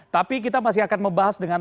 tapi kita masih akan membahas dengan